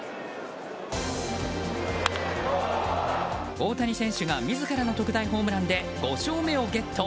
大谷選手が自らの特大ホームランで５勝目をゲット。